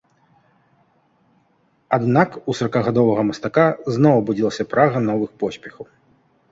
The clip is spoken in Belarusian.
Аднак, у саракагадовага мастака зноў абудзілася прага новых поспехаў.